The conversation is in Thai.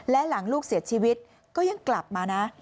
และหลังลูกเสียชีวิตก็ยังกลับมานะ